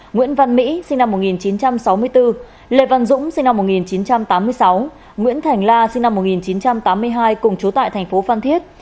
nguyễn văn mỹ sinh năm một nghìn chín trăm sáu mươi bốn lê văn dũng sinh năm một nghìn chín trăm tám mươi sáu nguyễn thành la sinh năm một nghìn chín trăm tám mươi hai cùng chú tại thành phố phan thiết